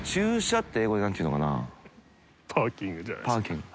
パーキング。